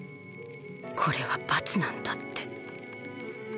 これは罰なんだって。